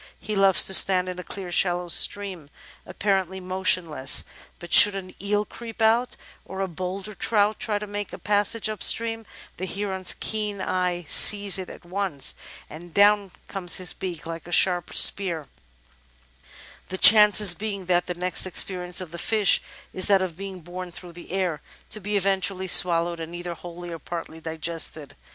He loves to stand in a clear, shallow stream, apparently motionless, but should an eel creep out, or a bolder trout try to make a passage up stream, the Heron's keen eye sees it at once and down comes his beak like a sharp spear, the chances being that the next experience of the fish is that of being borne through the air, to be eventually swallowed and either wholly or partly digested.